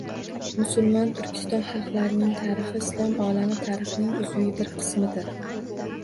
Musulmon Turkiston xalqlarining tarixi Islom olami tarixining uzviy bir qismidir